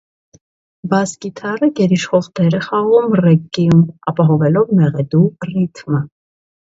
Բաս կիթառը գերիշխող դեր է խաղում ռեգգիում՝ ապահովելով մեղեդու ռիթմը։